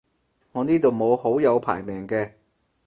我呢度冇好友排名嘅